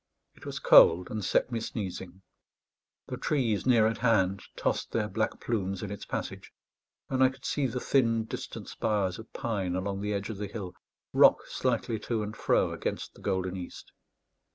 It was cold, and set me sneezing. The trees near at hand tossed their black plumes in its passage; and I could see the thin distant spires of pine along the edge of the hill rock slightly to and fro against the golden east.